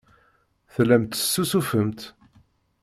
Tellamt tessusufemt.